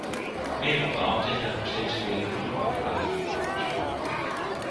Meer bepaald liggen er nog steeds vele moeilijke opgaven voor ons.